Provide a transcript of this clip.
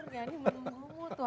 riani menunggumu tuh